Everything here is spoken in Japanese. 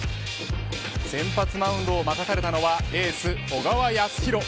先発マウンドを任されたのはエース、小川泰弘。